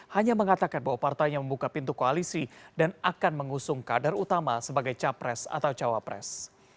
hanya mengatakan bahwa partainya membuka pintu koalisi dan akan mengusung kader utama sebagai capres atau cawapres